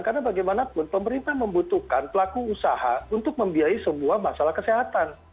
karena bagaimanapun pemerintah membutuhkan pelaku usaha untuk membiayai semua masalah kesehatan